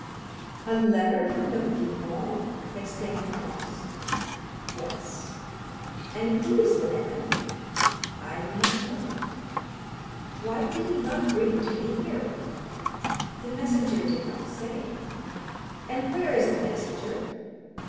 "A letter from the viscount!" exclaimed Franz. "Yes." "And who is the man?" "I do not know." "Why did he not bring it to me here?" "The messenger did not say." "And where is the messenger?"